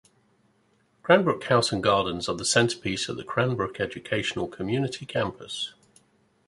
Cranbrook House and Gardens are the centerpiece of the Cranbrook Educational Community campus.